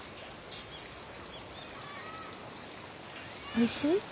おいしい？